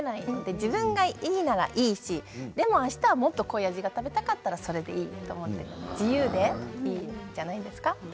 自分がいいならいいし、あしたもっと濃い味が食べたかったらそれでもいいし自由でいいんじゃないですかって。